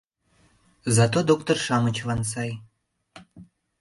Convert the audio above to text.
Зато доктор-шамычлан сай.